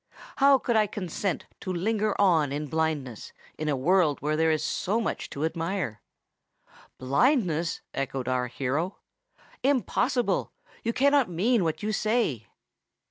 How could I consent to linger on in blindness in a world where there is so much to admire?" "Blindness!" echoed our hero: "impossible! You cannot mean what you say!"